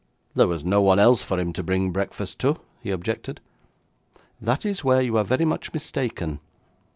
'There was no one else for him to bring breakfast to,' he objected. 'That is where you are very much mistaken.